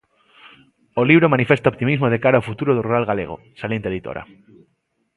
O libro manifesta optimismo de cara ao futuro do rural galego, salienta a editora.